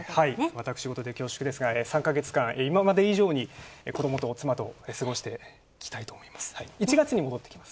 私事で恐縮ですが３か月間、今まで以上に子どもと妻と過ごしていきたいと思います。